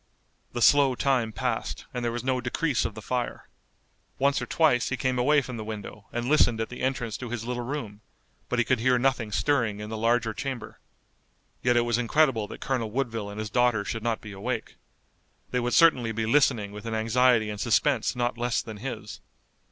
The slow time passed, and there was no decrease of the fire. Once or twice he came away from the window and listened at the entrance to his little room, but he could hear nothing stirring in the larger chamber. Yet it was incredible that Colonel Woodville and his daughter should not be awake. They would certainly be listening with an anxiety and suspense not less than his.